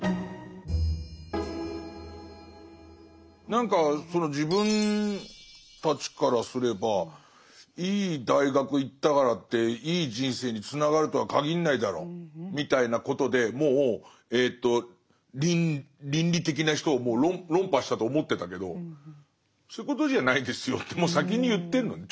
何かその自分たちからすればいい大学行ったからっていい人生につながるとは限んないだろみたいなことでもう倫理的な人を論破したと思ってたけどそういうことじゃないですよってもう先に言ってんのね。